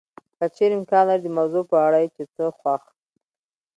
که چېرې امکان لري د موضوع په اړه یې چې څه خوښ